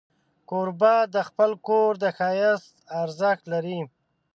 کوربه د خپل کور د ښایست ارزښت لري.